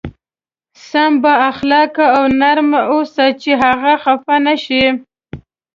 سم با اخلاقه او نرم اوسه چې هغه خفه نه شي.